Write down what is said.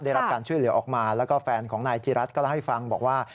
ได้รับการช่วยเหลือออกมาแล้วก็แฟนของนายจิรัตนก็เล่าให้ฟังบอกว่า